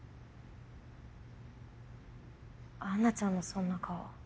アンナちゃんのそんな顔